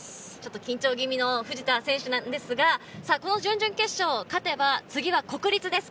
緊張気味の藤田選手ですが、準々決勝、勝てば次は国立です。